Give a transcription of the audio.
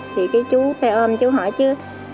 thì cái chú tay ôm chú hỏi chứ